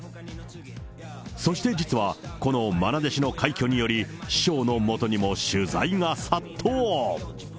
そして実は、このまな弟子の快挙により、師匠のもとにも取材が殺到。